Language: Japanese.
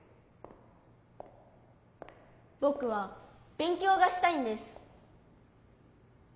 ぼくはべん強がしたいんです。